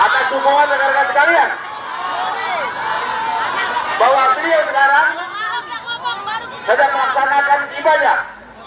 atas tumongan rekan rekan sekalian bahwa beliau sekarang sedang melaksanakan ibadah